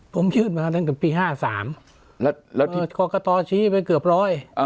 ผมยื่นมาตั้งแต่ปี๑๙๕๓คอกะตอชี้ไปเกือบร้อย